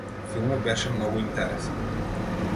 Филмот беше многу интересен.